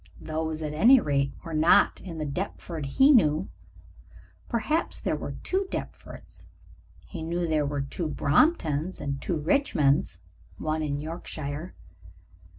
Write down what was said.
Those, at any rate, were not in the Deptford he knew. Perhaps there were two Deptfords. He knew there were two Bromptons and two Richmonds (one in Yorkshire).